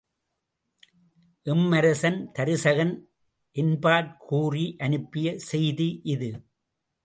எம்மரசன் தருசகன் என்பாற் கூறி அனுப்பிய செய்தி இது!